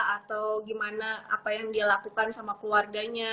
atau gimana apa yang dilakukan sama keluarganya